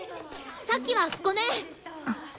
さっきはごめん！